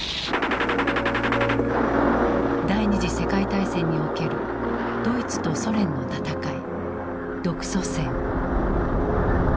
第二次世界大戦におけるドイツとソ連の戦い